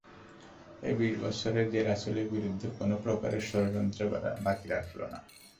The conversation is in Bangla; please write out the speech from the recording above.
এ বিশ বৎসরে সে রাসূলের বিরুদ্ধে কোন প্রকারের ষড়যন্ত্র বাকি রাখল না।